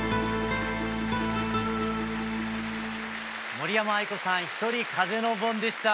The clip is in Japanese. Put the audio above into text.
森山愛子さん「ひとり風の盆」でした。